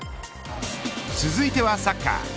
続いてはサッカー。